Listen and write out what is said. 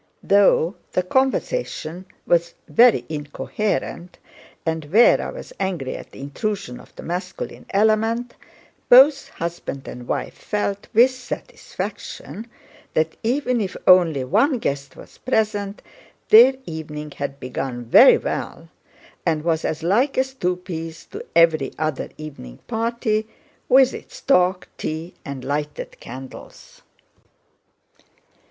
Though the conversation was very incoherent and Véra was angry at the intrusion of the masculine element, both husband and wife felt with satisfaction that, even if only one guest was present, their evening had begun very well and was as like as two peas to every other evening party with its talk, tea, and lighted candles.